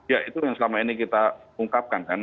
ya itu yang selama ini kita ungkapkan kan